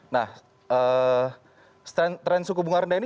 nah tren suku bunga rendah ini